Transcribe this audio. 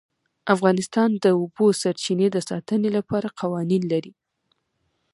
افغانستان د د اوبو سرچینې د ساتنې لپاره قوانین لري.